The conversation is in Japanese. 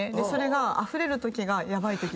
それがあふれるときがヤバい。